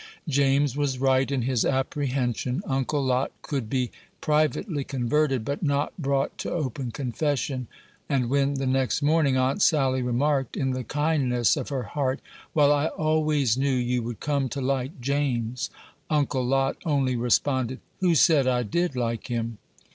James was right in his apprehension. Uncle Lot could be privately converted, but not brought to open confession; and when, the next morning, Aunt Sally remarked, in the kindness of her heart, "Well, I always knew you would come to like James," Uncle Lot only responded, "Who said I did like him?"